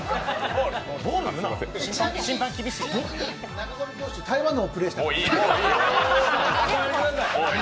中込投手は台湾でプレーした。